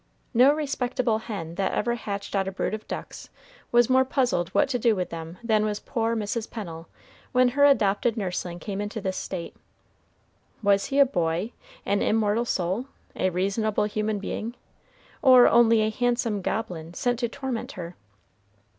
No respectable hen that ever hatched out a brood of ducks was more puzzled what to do with them than was poor Mrs. Pennel when her adopted nursling came into this state. Was he a boy? an immortal soul? a reasonable human being? or only a handsome goblin sent to torment her?